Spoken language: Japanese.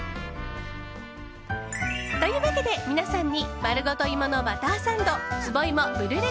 というわけで皆さんにまるごと芋のバターサンド壺芋ブリュレ